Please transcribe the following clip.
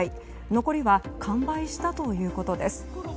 残りは完売したということです。